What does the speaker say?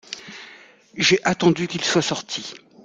J’ai attendu qu’ils soient sortis !…